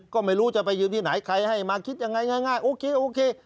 ก็ไม่รู้จะไปยืนที่ไหนใครให้มาคิดยังไงง่ายโอเคโอเค